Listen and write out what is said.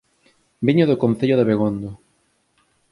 Veño do Concello de Abegondo